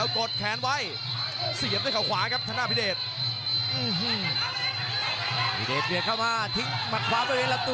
โอ้โหเจอหมัดขวาของมังกรเขียวก็ไปอภิเดช